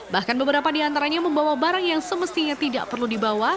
bahkan beberapa di antaranya membawa barang yang semestinya tidak perlu dibawa